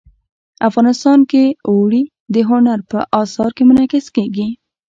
افغانستان کې اوړي د هنر په اثار کې منعکس کېږي.